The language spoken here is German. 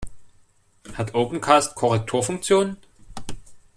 Hat Opencast Korrekturfunktionen?